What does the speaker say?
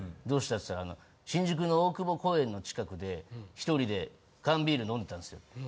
「どうした？」って言ったら新宿の大久保公園の近くで１人で缶ビール飲んでたんですよ。